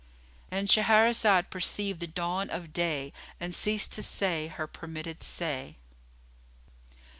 ——And Shahrazad perceived the dawn of day and ceased to say her permitted say.